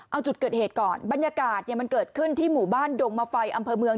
เอาจุดเกิดเหตุก่อนบรรยากาศมันเกิดขึ้นที่หมู่บ้านดงมาไฟอำเภอเมือง